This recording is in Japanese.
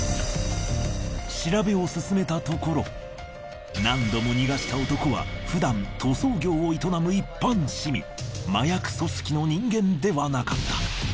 調べを進めたところ何度も逃がした男は普段麻薬組織の人間ではなかった。